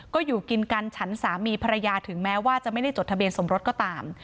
ก็อยู่กินกันฉันสามีภรรยาถึงแม้ว่าจะไม่ได้จดทะเบียนสมรสก็ตาม